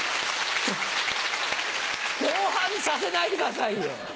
共犯にさせないでくださいよ。